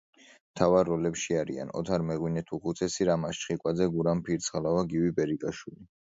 მთავარ როლებში არიან: ოთარ მეღვინეთუხუცესი, რამაზ ჩხიკვაძე, გურამ ფირცხალავა, გივი ბერიკაშვილი.